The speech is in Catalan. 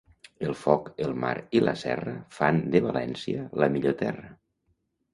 El foc, el mar i la serra fan de València la millor terra.